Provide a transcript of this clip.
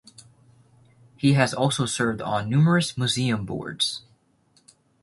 He has also served on numerous museum boards.